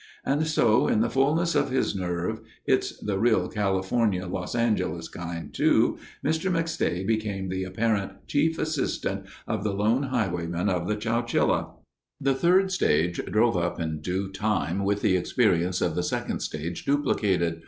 And so in the fullness of his nerve—it's the real California Los Angeles kind, too, Mr. McStay became the apparent Chief Assistant of the Lone Highwayman of the Chowchilla. The third stage drove up in due time with the experience of the second stage duplicated.